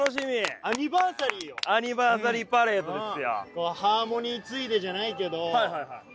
アニバーサリーパレードですよいいかい？